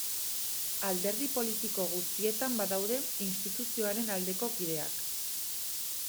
Alderdi politiko guztietan badaude instituzioaren aldeko kideak.